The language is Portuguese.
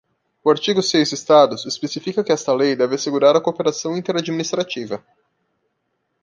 O artigo seis estados especifica que esta lei deve assegurar a cooperação inter-administrativa.